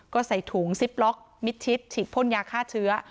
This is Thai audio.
ก็ใส่ถุงซิปล็อกมิดชิดฉีดพ่นยาฆ่าเชื้อ